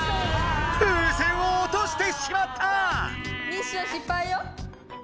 風船を落としてしまった！